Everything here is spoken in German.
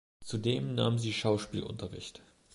Zudem nahm sie Schauspielunterricht.